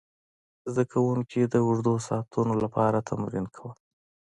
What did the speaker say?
زده کوونکي د اوږدو ساعتونو لپاره تمرین کول.